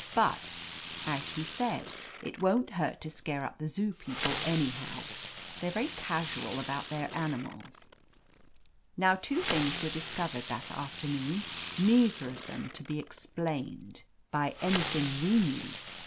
But, as he said, it won't hurt to scare up the Zoo people anyhow. They're very casual about their animals." Now, two things were discovered that after noon, neither of them to be explained by any io8 OF LETITIA CARBERRY thing we knew.